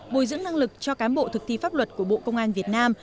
bồi dưỡng năng lực cho cán bộ thực thi pháp luật của bộ công an việt nam